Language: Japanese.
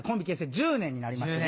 １０年になりましてね。